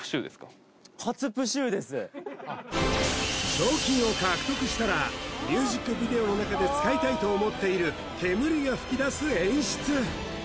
賞金を獲得したらミュージックビデオの中で使いたいと思っている煙が噴き出す演出